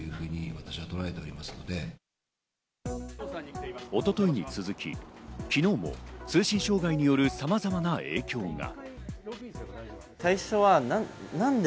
一昨日に続き、昨日も通信障害によるさまざまな影響が。